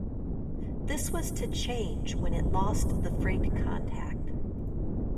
This was to change when it lost the freight contact.